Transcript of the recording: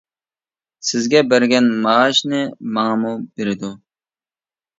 — سىزگە بەرگەن مائاشنى ماڭىمۇ بېرىدۇ.